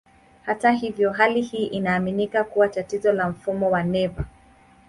Hata hivyo, hali hii inaaminika kuwa tatizo la mfumo wa neva.